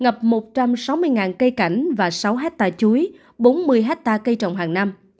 ngập một trăm sáu mươi cây cảnh và sáu hectare chuối bốn mươi hectare cây trồng hàng năm